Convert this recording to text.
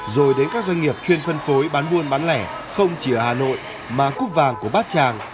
rồi đến các doanh nghiệp chuyên phân phối bán buôn bán lẻ không chỉ ở hà nội mà cúp vàng của bát tràng